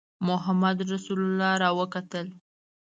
محمدرسول را وکتل.